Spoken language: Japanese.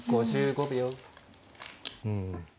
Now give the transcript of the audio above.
うん。